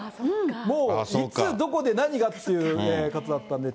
もう、いつ、どこで何がということだったんで。